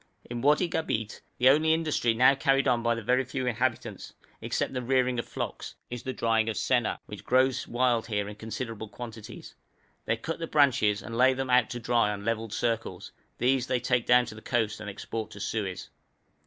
In Wadi Gabeit, the only industry now carried on by the very few inhabitants, except the rearing of flocks, is the drying of senna, which grows wild here in considerable quantities. They cut the branches and lay them out to dry on levelled circles; these they take down to the coast and export to Suez.